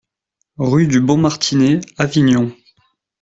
Rue du Bon Martinet, Avignon